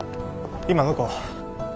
今どこ？